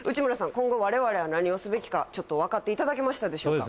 今後我々は何をすべきかちょっとわかっていただけましたでしょうか？